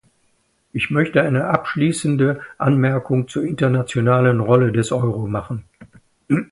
Ich möchte eine abschließende Anmerkung zur internationalen Rolle des Euro machen.